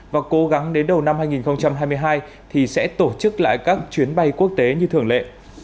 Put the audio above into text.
và cố gắng đến đầu năm hai nghìn hai mươi hai thì sẽ tổ chức lại các chuyến bay quốc tế như thường lệ